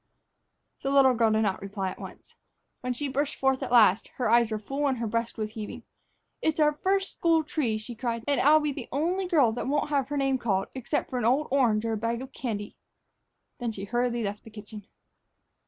The little girl did not reply at once. When she burst forth at last, her eyes were full and her breast was heaving. "It's our first school tree," she cried; "and here I'll be the only girl that won't have her name called, except for an old orange or a bag of candy." Then she hurriedly left the kitchen.